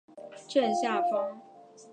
此站位于正下方。